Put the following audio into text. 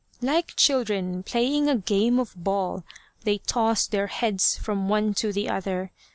Like children playing a game of ball, they tossed their heads from one to the other.